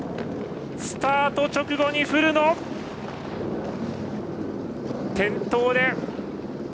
スタート直後に古野転倒で。